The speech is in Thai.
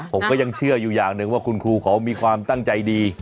ผมก็ยังเชื่ออยู่อย่างหนึ่งว่าคุณครูเขามีความตั้งใจดี